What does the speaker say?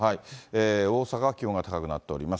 大阪は気温が高くなっております。